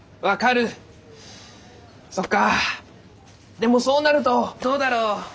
でもそうなるとどうだろう。